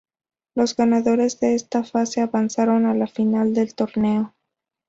Los ganadores de esta fase avanzaron a la final del torneo.